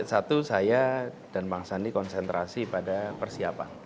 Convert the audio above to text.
satu saya dan bang sandi konsentrasi pada persiapan